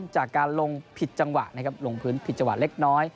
จากการลงผิดจังหวะนะครับลงพื้นผิดจังหวะเล็กน้อย